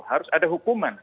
harus ada hukuman